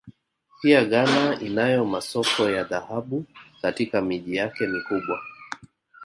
Pia Ghana inayo masoko ya dhahabu katika miji yake mikubwa